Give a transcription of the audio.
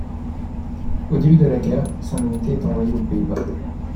Au début de la guerre, son unité est envoyée aux Pays-Bas.